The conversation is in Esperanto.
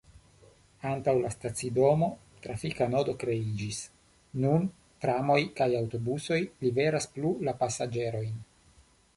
Antaŭ la stacidomo trafika nodo kreiĝis, nun tramoj kaj aŭtobusoj liveras plu la pasaĝerojn.